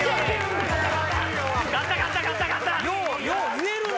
よう言えるな！